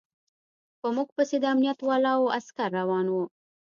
په موږ پسې د امنيت والاو عسکر روان و.